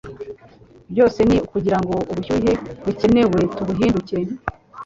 Byose ni ukugirango ubushyuhe bukenewe ntibuhinduke